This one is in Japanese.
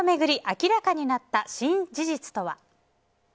明らかになった新事実とは。